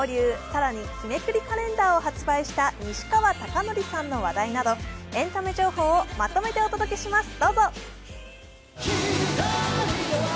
更に、日めくりカレンダーを発売した西川貴教さんの話題などエンタメ情報をまとめてお届けします。